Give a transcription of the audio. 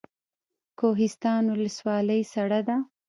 کوهستان ولسوالۍ سړه ده؟